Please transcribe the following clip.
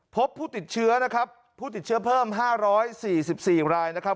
พบผู้ติดเชื้อนะครับผู้ติดเชื้อเพิ่มห้าร้อยสี่สิบสี่รายนะครับ